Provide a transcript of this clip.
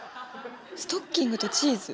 ストッキングとチーズ？